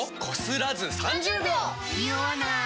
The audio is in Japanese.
ニオわない！